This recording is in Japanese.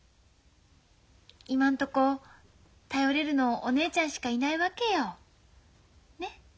今んとこ頼れるのお姉ちゃんしかいないわけよ。ね！